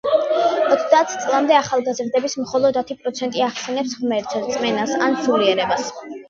ოცდაათ წლამდე ახალგაზრდების მხოლოდ ათი პროცენტი ახსენებს ღმერთს, რწმენას, ან სულიერებას.